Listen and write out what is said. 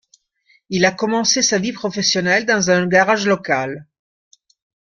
Il a commencé sa vie professionnelle dans un garage local.